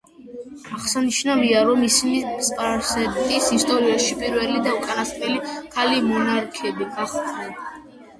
აღსანიშნავია, რომ ისინი სპარსეთის ისტორიაში პირველი და უკანასკნელი ქალი მონარქები გახდნენ.